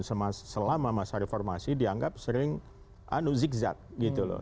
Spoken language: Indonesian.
selama masa reformasi dianggap sering anu zigzat gitu loh